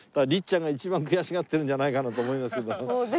りっちゃんが一番悔しがってるんじゃないかなと思いますけども。